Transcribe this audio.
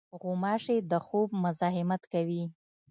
غوماشې د خوب مزاحمت کوي.